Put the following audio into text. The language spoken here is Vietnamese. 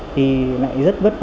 thì lại rất là nhanh